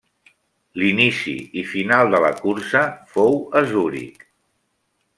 L'inici i final de la cursa fou a Zuric.